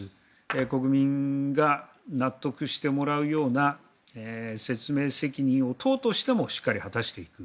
国民が納得してもらうような説明責任を党としてもしっかり果たしていく。